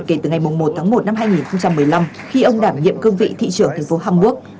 kể từ ngày một tháng một năm hai nghìn một mươi năm khi ông đảm nhiệm cương vị thị trưởng thành phố hamburg